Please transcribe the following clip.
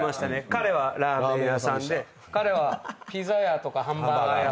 彼はラーメン屋さんで彼はピザ屋とかハンバーガー屋さんとか。